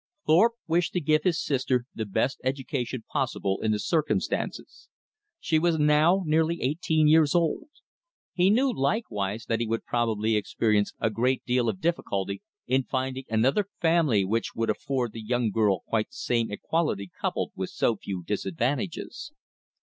Thorpe wished to give his sister the best education possible in the circumstances. She was now nearly eighteen years old. He knew likewise that he would probably experience a great deal of difficulty in finding another family which would afford the young girl quite the same equality coupled with so few disadvantages.